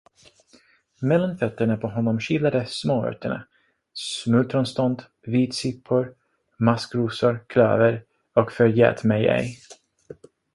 Mellan fötterna på honom kilade småörterna: smultronstånd, vitsippor, maskrosor, klöver och förgätmigej.